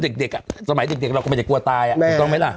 เด็กเด็กอ่ะสมัยเด็กเด็กเราก็ไม่ได้กลัวตายอ่ะไม่ต้องไหมล่ะ